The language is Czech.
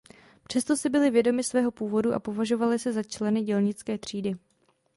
Přesto si byli vědomi svého původu a považovali se za členy dělnické třídy.